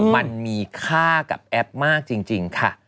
มันมีค่ากับแอปมากจริงค่ะ